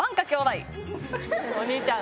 お兄ちゃん。